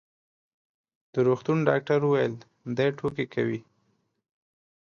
د روغتون ډاکټر وویل: دی ټوکې کوي.